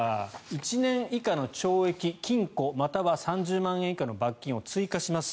１年以下の懲役・禁錮または３０万円以下の罰金を追加します